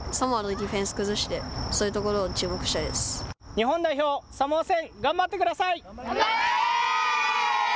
日本代表、サモア戦頑張ってください。